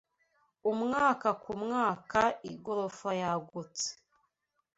Umwaka ku mwaka igorofa yagutse